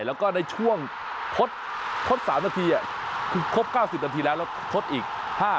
แล้วก็ในช่วงทดทดสามนาทีอ่ะคือทดเก้าสิบนาทีแล้วแล้วทดอีกห้า